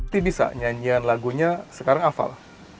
tidisa nyanyian lagunya sekarang afal